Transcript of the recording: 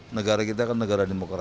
negara kita kan negara demokrasi